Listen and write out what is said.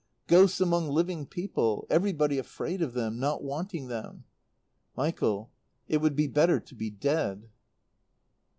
Ghosts among living people. Everybody afraid of them not wanting them." "Michael it would be better to be dead!"